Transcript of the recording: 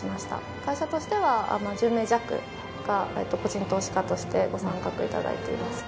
会社としては１０名弱が個人投資家としてご参画頂いています。